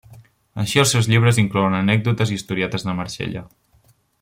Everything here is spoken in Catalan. Així els seus llibres inclouen anècdotes i historietes de Marsella.